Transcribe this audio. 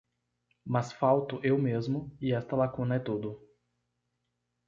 mas falto eu mesmo, e esta lacuna é tudo.